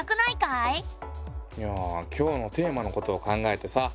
いやぁ今日のテーマのことを考えてさ。